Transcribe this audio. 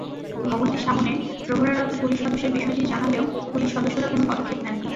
ভবনটির সামনে প্রহরারত পুলিশ সদস্যদের বিষয়টি জানালেও পুলিশ সদস্যরা কোনো পদক্ষেপ নেননি।